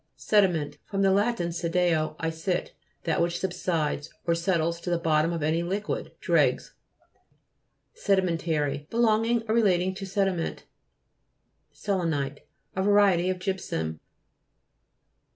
SE'DIMENT fr. lat. sedeo, I sit, that which subsides, or settles to the bottom of any liquid ; dregs. SEDIME'NTART Belonging or relat ing to sediment. SEL'ENITE A variety of gypsum.